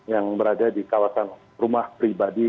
yang berada di kawasan rumah pribadi